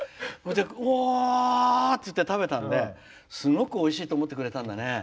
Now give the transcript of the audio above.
おお！って言って食べたらすごく、おいしいと思ってくれたんだね。